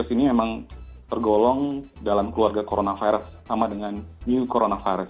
jadi kalau kita lihat bahwa kelelawar itu adalah keluarga coronavirus sama dengan new coronavirus